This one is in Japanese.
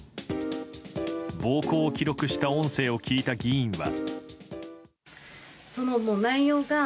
暴行を記録した音声を聞いた議員は。